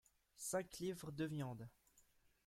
Cinq livres de viandes.